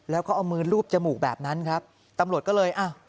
แล้วก็เอามือลูบจมูกแบบนั้นครับตำรวจก็เลยอ้าว